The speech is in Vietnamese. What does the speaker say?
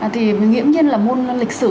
thì nghiễm nhiên là môn lịch sử